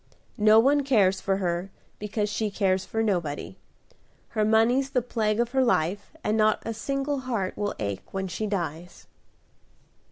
No one cares for her, because she cares for nobody; her money's the plague of her life, and not a single heart will ache when she dies."